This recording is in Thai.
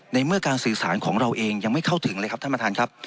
เมื่อการสื่อสารของเราเองยังไม่เข้าถึงเลยครับท่านประธานครับ